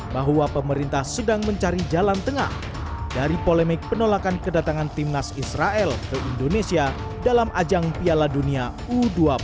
bahwa pemerintah sedang mencari jalan tengah dari polemik penolakan kedatangan timnas israel ke indonesia dalam ajang piala dunia u dua puluh